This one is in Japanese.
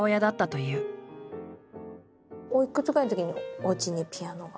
おいくつぐらいのときにおうちにピアノが？